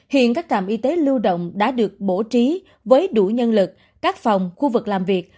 hiện các trạm y tế lưu động đã được bổ trí với đủ nhân lực các phòng khu vực làm việc